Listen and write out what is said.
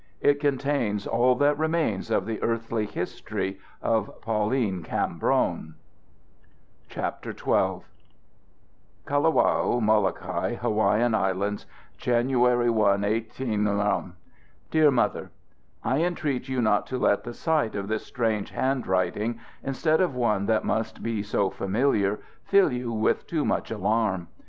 It contains all that remains of the earthly history of Pauline Cambron: XII. "KALAWAO, MOLOKAI, HAWAIIAN ISLANDS, "_January 1, 188 _. "DEAR MOTHER, I entreat you not to let the sight of this strange handwriting, instead of one that must be so familiar, fill you with too much alarm.